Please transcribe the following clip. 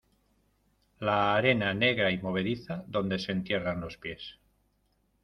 la arena negra y movediza donde se entierran los pies ;